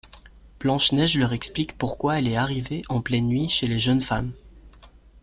Blanche-Neige leur explique pourquoi elle est arrivée en pleine nuit chez les jeunes femmes.